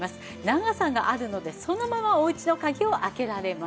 長さがあるのでそのままお家の鍵を開けられます。